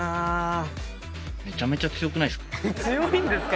めちゃめちゃ強くないですか。